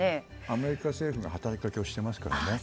アメリカ政府が働きかけをしていますからね。